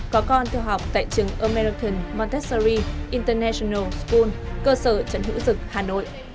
có con theo học tại trường american montessori international school cơ sở trần hữu dực hà nội